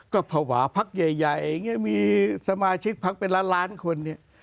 ก็ภาวะพักใหญ่อย่างนี้มีสมาชิกพักเป็นล้านล้านคนเนี่ย